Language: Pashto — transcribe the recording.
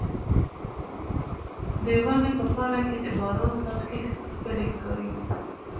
د ونې په پاڼو کې د باران څاڅکي ښکلي ښکاري.